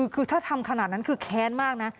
คือถ้าทำขนาดนั้นคือแค้นมากนะ